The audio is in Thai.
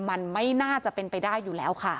มันไม่น่าจะเป็นไปได้อยู่แล้วค่ะ